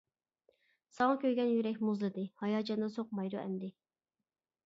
ساڭا كۆيگەن يۈرەك مۇزلىدى، ھاياجاندا سوقمايدۇ ئەمدى.